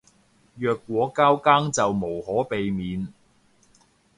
若果交更就無可避免